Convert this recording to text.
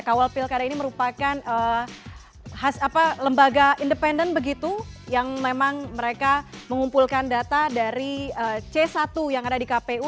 kawal pilkada ini merupakan lembaga independen begitu yang memang mereka mengumpulkan data dari c satu yang ada di kpu